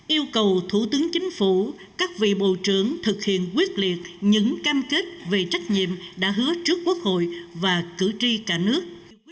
yêu cầu thủ tướng chính phủ các vị bộ trưởng thực hiện quyết liệt những cam kết về trách nhiệm đã hứa trước quốc hội và cử tri cả nước